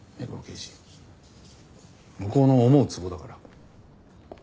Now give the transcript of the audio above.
向こうの思うつぼだから。